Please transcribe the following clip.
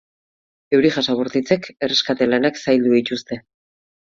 Euri-jasa bortitzek erreskate lanak zaildu dituzte.